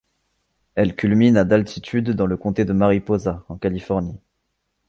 Elle culmine à d'altitude dans le comté de Mariposa, en Californie.